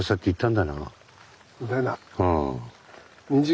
うん。